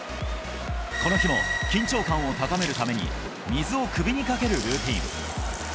この日も緊張感を高めるために、水を首にかけるルーティン。